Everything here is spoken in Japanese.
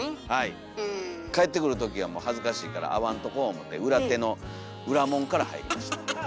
帰ってくるときはもう恥ずかしいから会わんとこ思て裏手の裏門から入りました。